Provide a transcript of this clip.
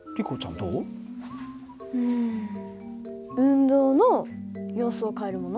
うん運動の様子を変えるもの？